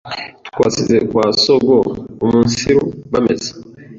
twasize kwa sogoumunsiru bameze,